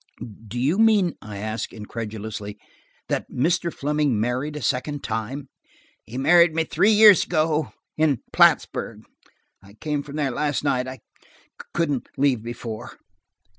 "Do you mean," I asked incredulously, "that Mr. Fleming married a second time?" "He married me three years ago, in Plattsburg. I came from there last night. I–couldn't leave before."